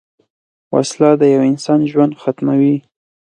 وسله د یوه انسان ژوند ختموي